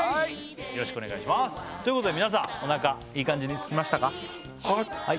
よろしくお願いしますということで皆さんおなかいい感じにすきましたか？